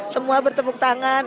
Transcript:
semua bertepuk tangan